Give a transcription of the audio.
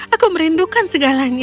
aku merindukan segalanya